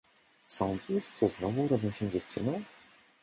Sądzisz, że znowu urodzę się dziewczyną?